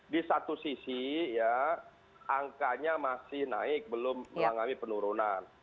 di satu sisi angkanya masih naik belum melanggami penurunan